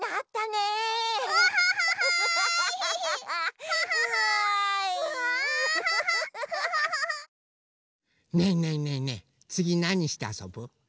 ねえねえねえねえつぎなにしてあそぶ？